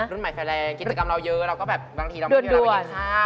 รุ่นใหม่ไฟแรงกิจกรรมเราเยอะเราก็แบบบางทีเราไม่มีเวลาไปกินข้าว